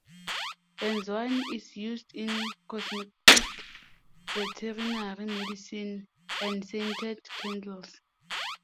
Benzoin is used in cosmetics, veterinary medicine, and scented candles.